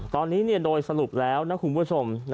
ตอนนี้โดยสรุปแล้วนะคุณผู้ชม